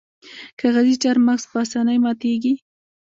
کاغذي چهارمغز په اسانۍ ماتیږي.